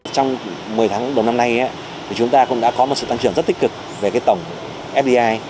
trong một mươi tháng đầu năm nay chúng ta cũng đã có một sự tăng trưởng rất tích cực về tổng fdi